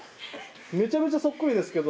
めちゃめちゃそっくりですけど。